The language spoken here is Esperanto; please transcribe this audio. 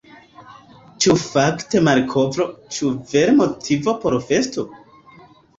Ĉu fakte malkovro, ĉu vera motivo por festo?